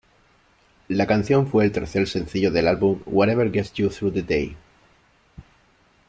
La canción fue el tercer sencillo del álbum "Whatever Gets You Through the Day".